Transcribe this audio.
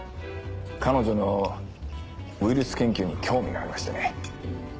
彼女のウイルス研究に興味がありましてね。